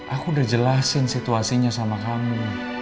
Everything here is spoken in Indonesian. aku udah jelasin situasinya sama kamu